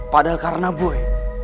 padahal karena boy